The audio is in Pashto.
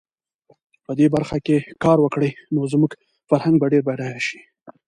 په دې برخو کې کار وکړي، نو زموږ فرهنګ به ډېر بډایه شي.